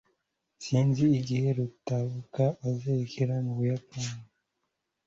Sinzi igihe Rutebuka azerekeza mu Buyapani.